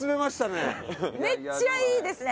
めっちゃいいですね！